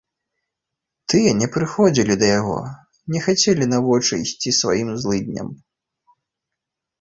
Тыя не прыходзілі да яго, не хацелі на вочы ісці сваім злыдням.